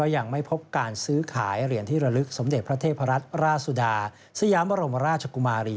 ยังไม่พบการซื้อขายเหรียญที่ระลึกสมเด็จพระเทพรัตนราชสุดาสยามบรมราชกุมารี